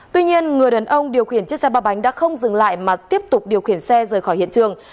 tuy nhiên người đàn ông điều khiển chiếc xe ba bánh đã không dừng lại mà tiếp tục điều khiển xe rời khỏi hiện trường